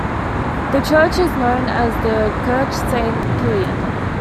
The church is known as the Kirche Saint Kilian.